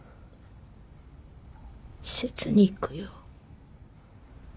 施設に行くよ。